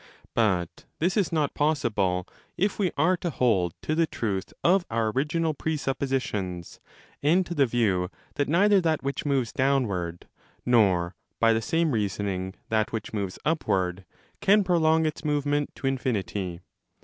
But this is not possible, if we are to hold to the truth of our original presuppositions and to the view that neither that which moves downward, nor, by the same reasoning, that which moves upward, can prolong its move ment to infinity.